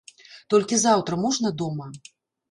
Толькі заўтра можна дома?